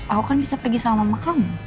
aku kan bisa pergi sama kamu